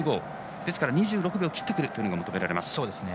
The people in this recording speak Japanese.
ですから２６秒を切ってくることが求められます。